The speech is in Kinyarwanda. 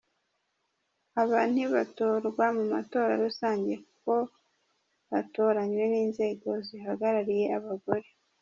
Aba ntibatorwa mu matora rusange kuko batoranywe n'inzego zihagarariye abagore.